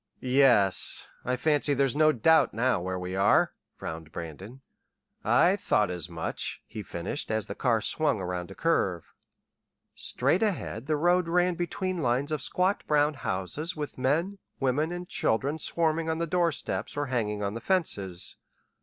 "Yes. I fancy there's no doubt now where we are," frowned Brandon. "I thought as much," he finished as the car swung around a curve. Straight ahead the road ran between lines of squat brown houses with men, women, and children swarming on the door steps or hanging on the fences.